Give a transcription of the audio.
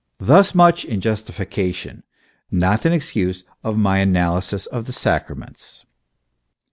Thus much in justification, not in excuse, of my analysis of the Sacraments.